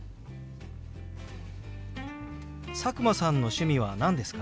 佐久間さんの趣味は何ですか？